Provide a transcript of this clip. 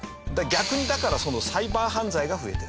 逆にだからサイバー犯罪が増えている。